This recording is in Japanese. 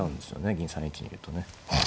銀３一にいるとね。